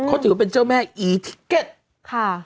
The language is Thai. เขาถือว่าเป็นเจ้าแม่อีทิเก็ตค่ะ